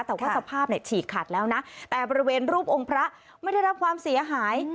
แต่ว่าสภาพเนี่ยฉีกขาดแล้วนะแต่บริเวณรูปองค์พระไม่ได้รับความเสียหาย